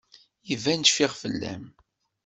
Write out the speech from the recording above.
Iban cfiɣ fell-am.